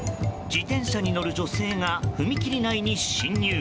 自転車に乗る女性が踏切内に進入。